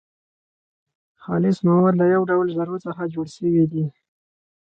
خالص مواد له يو ډول ذرو څخه جوړ سوي دي .